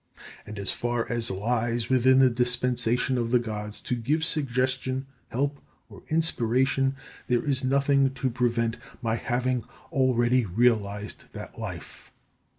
And, as far as lies within the dispensation of the Gods to give suggestion, help, or inspiration, there is nothing to prevent my having already realized that life.